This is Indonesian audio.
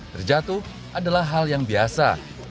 terjatuh adalah hal yang biasa